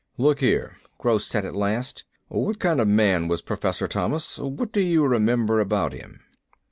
"Look here," Gross said at last. "What kind of man was Professor Thomas? What do you remember about him?"